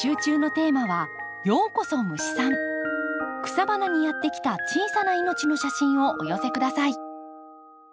草花にやって来た小さな命の写真をお寄せ下さい。